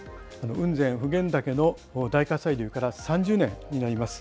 雲仙・普賢岳の大火砕流から３０年になります。